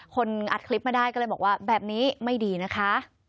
อัดคลิปมาได้ก็เลยบอกว่าแบบนี้ไม่ดีนะคะ